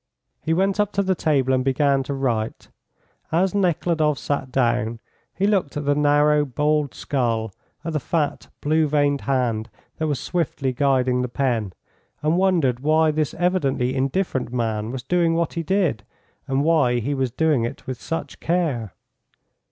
He went up to the table and began to write. As Nekhludoff sat down he looked at the narrow, bald skull, at the fat, blue veined hand that was swiftly guiding the pen, and wondered why this evidently indifferent man was doing what he did and why he was doing it with such care.